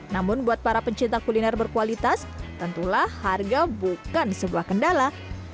namun buat para pencinta kuliner berkualitas tentulah harga bukan sebuah kendala